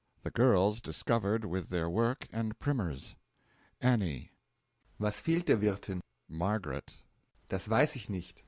The girls discovered with their work and primers. ANNIE. Was fehlt der Wirthin? MARGARET. Das weiss ich nicht.